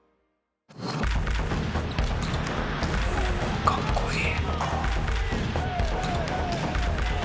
「おおかっこいい」